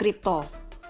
keuntungan yang ditawarkan